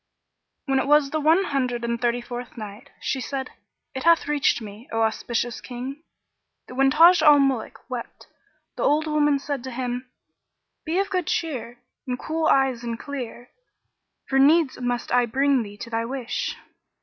When it was the One Hundred and Thirty fourth Night, She said, It hath reached me, O auspicious King, that when Taj al Muluk wept the old woman said to him, "Be of good cheer and cool eyes and clear; for needs must I bring thee to thy wish."